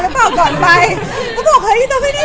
พอเสร็จจากเล็กคาเป็ดก็จะมีเยอะแยะมากมาย